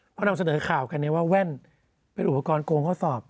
เพราะนำเสนอข่าวกันว่าแว่นเป็นอุปกรณ์โกงข้อสอบ